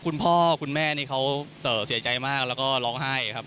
คุณพ่อคุณแม่นี่เขาเสียใจมากแล้วก็ร้องไห้ครับ